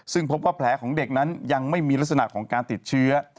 ซึ่งพบว่าแผลของเด็กนั้นยังไม่มีลักษณะของการติดเชื้อ